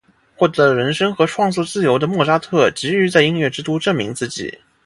获得了人生和创作自由的莫扎特急于在音乐之都证明自己。